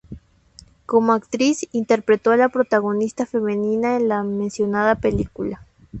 Como actriz, interpretó a la protagonista femenina en la mencionada película.